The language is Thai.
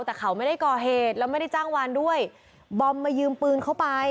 แต่เขาไม่ได้ก่อเหตุแล้วไม่ได้จ้างวานด้วยบอมมายืมปืนเข้าไป